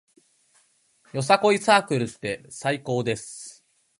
よさこいサークルって最高です